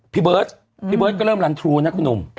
พี่เบิร์ตก็เริ่มรันทรูนะคุณหนุ่ม